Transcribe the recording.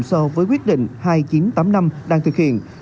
so với quyết định hai nghìn chín trăm tám mươi năm đang thực hiện